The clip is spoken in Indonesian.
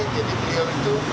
jadi beliau itu